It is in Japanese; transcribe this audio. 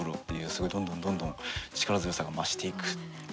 すごいどんどんどんどん力強さが増していく。